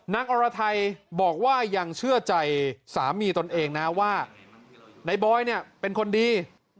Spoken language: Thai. อรไทยบอกว่ายังเชื่อใจสามีตนเองนะว่านายบอยเนี่ยเป็นคนดี